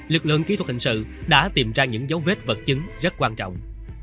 lực lượng kỹ thuật hình sự đã tìm ra những dấu vết vật chứng rất quan trọng